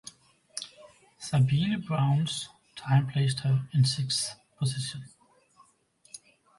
Sabine Braun's time placed her in sixth position.